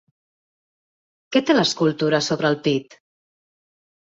Què té l'escultura sobre el pit?